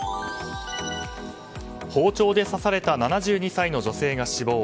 包丁で刺された７２歳の女性が死亡。